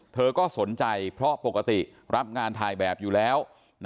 เธอก็สนใจเพราะปกติรับงานถ่ายแบบอยู่แล้ว